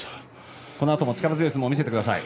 このあとも力強い相撲を見せてください。